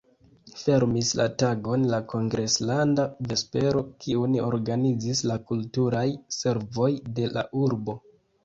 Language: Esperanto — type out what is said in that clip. Fermis la tagon la kongreslanda vespero, kiun organizis la Kulturaj Servoj de la urbo.